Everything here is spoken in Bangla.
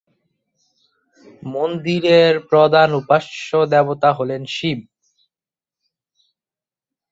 মন্দিরের প্রধান উপাস্য দেবতা হলেন শিব।